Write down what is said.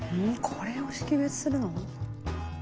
これを識別するの？